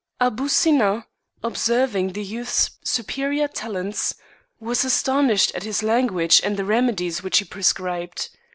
Aboo Sinna, observing the youth's superior talents, was astonished at his language and the remedies which he prescribed.